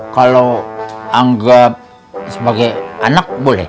kalau anggap sebagai anak boleh